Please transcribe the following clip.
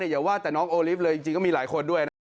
อย่าว่าแต่น้องโอลิฟต์เลยจริงก็มีหลายคนด้วยนะ